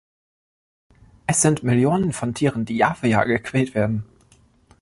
Es sind Millionen von Tieren, die Jahr für Jahr gequält werden.